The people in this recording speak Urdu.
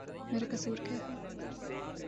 میرا قصور کیا ہے؟